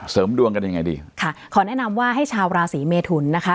เสริมดวงกันยังไงดีค่ะขอแนะนำว่าให้ชาวราศีเมทุนนะคะ